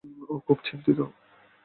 ও খুব চিন্তিত।